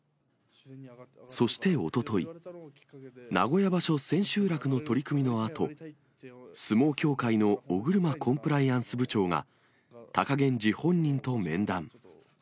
そしておととい、名古屋場所千秋楽の取組のあと、相撲協会の尾車コンプライアンス部長が貴源治本人と面談。